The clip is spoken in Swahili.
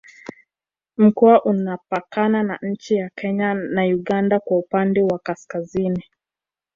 Mkoa unapakana na Nchi ya Kenya na Uganda kwa upande wa Kaskazini